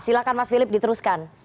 silahkan mas philip diteruskan